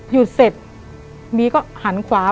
หยุดเสร็จ